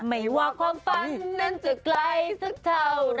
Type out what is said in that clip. ไม่ว่าความฝันนั้นจะไกลสักเท่าไหร่